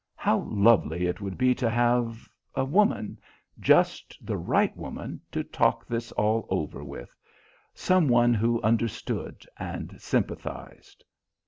How lovely it would be to have a woman, just the right woman, to talk this all over with; some one who understood and sympathized.